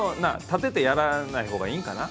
立ててやらないほうがいいんかな。